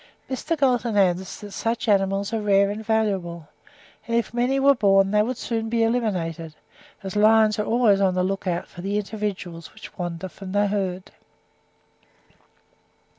Mr. Galton adds that such animals are rare and valuable; and if many were born they would soon be eliminated, as lions are always on the look out for the individuals which wander from the herd.